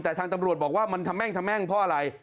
แต่ทางตำรวจบอกว่ามันทะแม่งทะแม่งเพราะอะไร